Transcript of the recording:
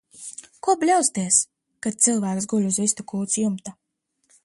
Ko bļausties, kad cilvēks guļ uz vistu kūts jumta?